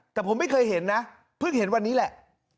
แต่ผมไม่เคยเห็นนะเพิ่งเห็นวันนี้แหละ